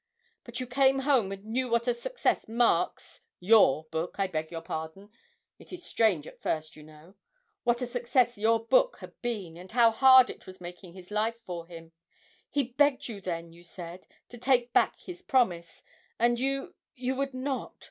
But you came home and knew what a success Mark's (your book, I beg your pardon it is strange at first, you know) what a success your book had been, and how hard it was making his life for him he begged you then, you said, to take back his promise, and you you would not.